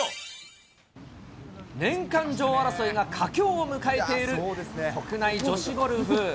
年間女王争いが佳境を迎えている国内女子ゴルフ。